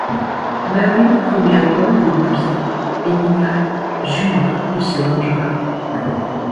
Mary promet à Paul de l'épouser, et Nika jure qu'il se vengera.